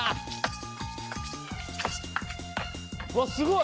わっすごい！